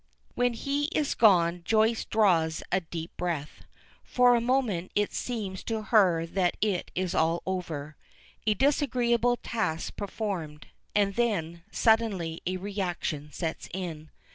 When he is gone Joyce draws a deep breath. For a moment it seems to her that it is all over a disagreeable task performed, and then suddenly a reaction sets in.